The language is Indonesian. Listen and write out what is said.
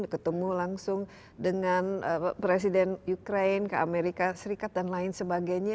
ketemu langsung dengan presiden ukraine ke amerika serikat dan lain sebagainya